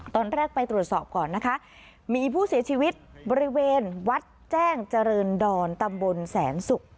ตอนแรกไปตรวจสอบก่อนนะคะมีผู้เสียชีวิตบริเวณวัดแจ้งเจริญดอนตำบลแสนศุกร์